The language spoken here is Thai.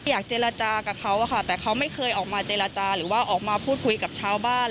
อยากเจรจากับเขาอะค่ะแต่เขาไม่เคยออกมาเจรจาหรือว่าออกมาพูดคุยกับชาวบ้าน